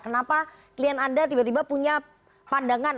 kenapa klien anda tiba tiba punya pandangan